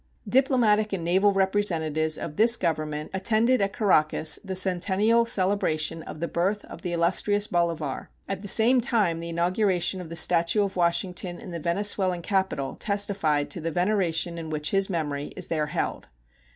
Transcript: Diplomatic and naval representatives of this Government attended at Caracas the centennial celebration of the birth of the illustrious Bolivar. At the same time the inauguration of the statue of Washington in the Venezuelan capital testified to the veneration in which his memory is there held.